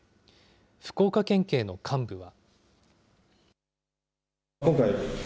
福岡県警の幹部は。